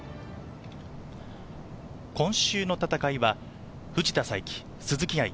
今週の戦いは藤田さいき、鈴木愛。